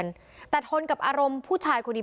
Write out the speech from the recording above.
ในอำเภอศรีมหาโพธิ์จังหวัดปลาจีนบุรี